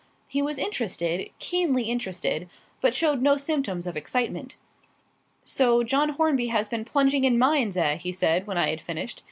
He was interested, keenly interested, but showed no symptoms of excitement. "So John Hornby has been plunging in mines, eh?" he said, when I had finished.